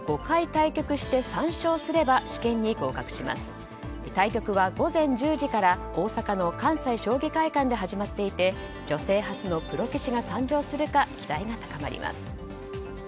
対局は午前１０時から大阪の関西将棋会館で始まっていて女性初のプロ棋士が誕生するか期待が高まります。